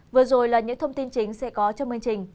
vừa rồi là những thông tin chính sẽ có trong chương trình